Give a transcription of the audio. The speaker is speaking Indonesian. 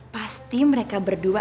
pasti mereka berdua